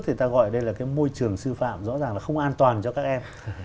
thì ta gọi đây là cái môi trường sư phạm rõ ràng là không an toàn cho các em